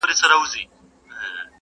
یا په رپ کي یې د سترګو یې پلورلی -